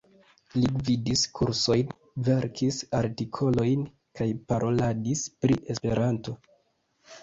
Li gvidis kursojn, verkis artikolojn kaj paroladis pri Esperanto.